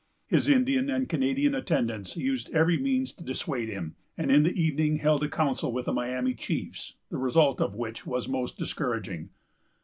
His Indian and Canadian attendants used every means to dissuade him, and in the evening held a council with the Miami chiefs, the result of which was most discouraging.